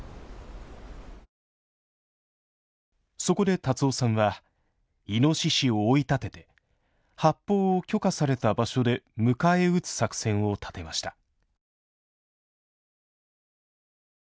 そこで辰雄さんはイノシシを追い立てて発砲を許可された場所で迎え撃つ作戦を立てました。